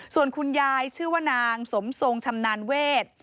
ส่วนคุณยายชื่อว่านางสมทรงชำนาญเวท